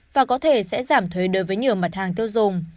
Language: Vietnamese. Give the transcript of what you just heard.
và có thể sẽ giảm thuế đối với nhiều mặt hàng tiêu dùng